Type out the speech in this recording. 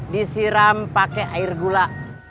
disiram pakai air gula